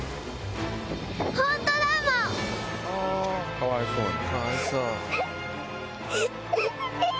かわいそうに。